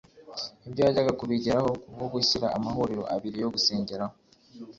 Ibyo yajyaga kubigeraho kubwo gushyira amahuriro abiri yo gusengeraho